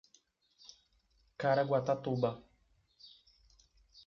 Caraguatatuba